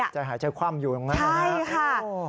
จะหายช้าคว่ำอยู่ตรงนั้นนะครับโอ้โฮโอ้โฮ